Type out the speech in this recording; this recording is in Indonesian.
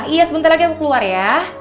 iya sebentar lagi mau keluar ya